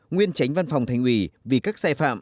nguyên tránh văn phòng thành ủy vì các sai phạm